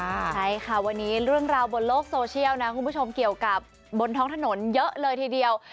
ใช่ค่ะวันนี้เรื่องราวบนโลกโซเชียลนะคุณผู้ชมเกี่ยวกับบนท้องถนนเยอะเลยทีเดียว